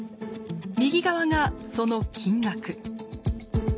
右側がその金額。